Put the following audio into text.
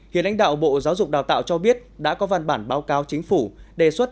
hiện lãnh đạo bộ giáo dục đào tạo cho biết đã có văn bản báo cáo chính phủ đề xuất